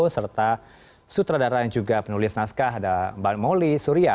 serta sutradara yang juga penulis naskah ada mbak moli surya